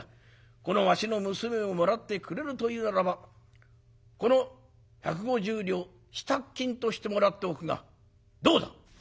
このわしの娘をもらってくれるというならばこの百五十両支度金としてもらっておくがどうだ？」。